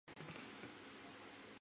父亲提舍是婆罗门教中著名论师。